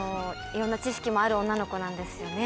いろんな知識もある女の子なんですよね。